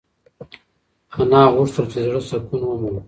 انا غوښتل چې د زړه سکون ومومي.